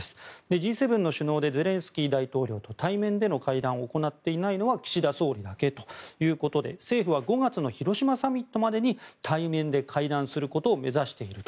Ｇ７の首脳でゼレンスキー大統領と対面での会談を行っていないのは岸田総理だけということで政府は５月の広島サミットまでに対面で会談することを目指していると。